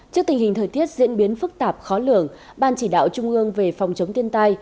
trước tình hình thời tiết diễn biến phức tạp khó lường ban chỉ đạo trung ương về phòng chống thiên tai